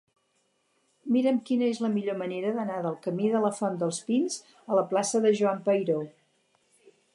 Mira'm quina és la millor manera d'anar del camí de la Font dels Pins a la plaça de Joan Peiró.